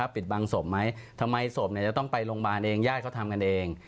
ปิดบังศพไหมทำไมศพจะต้องไปโรงพยาบาลเองญาติเขาทำกันเอง